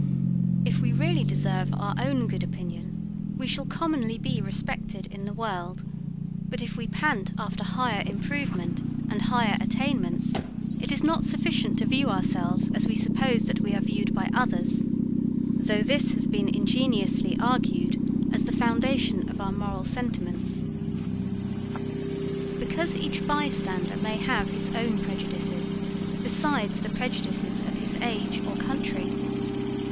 If we really deserve our own good opinion, we shall commonly be respected in the world; but if we pant after higher improvement and higher attainments, it is not sufficient to view ourselves as we suppose that we are viewed by others, though this has been ingeniously argued as the foundation of our moral sentiments. (Smith.) Because each bystander may have his own prejudices, besides the prejudices of his age or country.